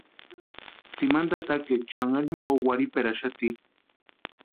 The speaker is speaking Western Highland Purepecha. Tsimani tatakaecha xanharu jimpo warhiperaxati.